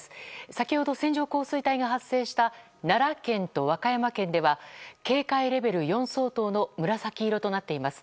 先ほど、線状降水帯が発生した奈良県と和歌山県では警戒レベル４相当の紫色となっています。